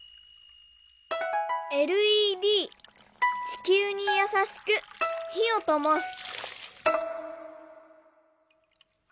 「ＬＥＤ地球にやさしくひをともす」。